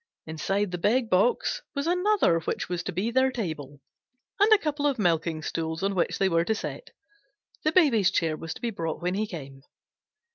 Inside the big box was another which was to be their table, and a couple of milking stools on which they were to sit. The Baby's chair was to be brought when he came.